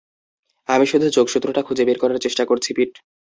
আমি শুধু যোগসূত্রটা খুঁজে বের করার চেষ্টা করছি, পিট।